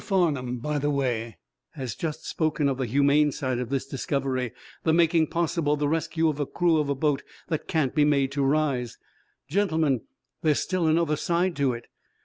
Farnum, by the way, has just spoken of the humane side of this discovery, the making possible the rescue of a crew of a boat that can't be made to rise. Gentlemen, there's still another side to it.